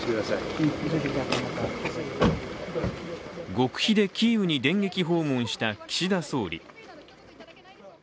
極秘でキーウに電撃訪問した岸田総理。